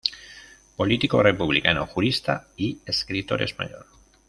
Político republicano, jurista y escritor español.